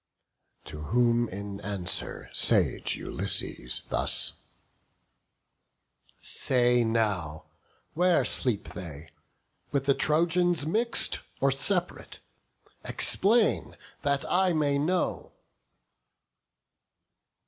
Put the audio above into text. To whom in answer sage Ulysses thus: "Say now, where sleep they? with the Trojans mix'd, Or separate? explain, that I may know."